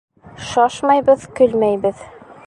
— Шашмайбыҙ, көлмәйбеҙ.